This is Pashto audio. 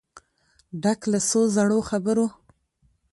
ډک له څو زړو خبرو